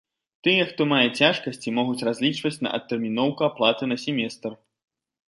Тыя, хто мае цяжкасці, могуць разлічваць на адтэрміноўку аплаты на семестр.